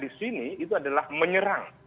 di sini itu adalah menyerang